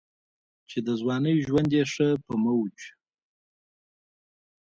چې دَځوانۍ ژوند ئې ښۀ پۀ موج